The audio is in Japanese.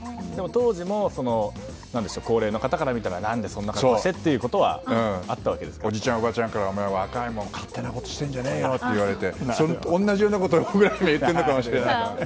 当時も高齢の方から見たら何でそんな格好してっておじちゃんおばちゃんからは若いの、勝手なことしてるんじゃないよって同じようなことを僕らも言ってるのかもしれないけど。